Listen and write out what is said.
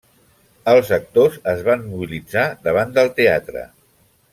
Els actors es van mobilitzar davant del teatre.